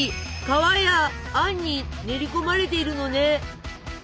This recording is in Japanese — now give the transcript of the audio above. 皮やあんに練り込まれているのね。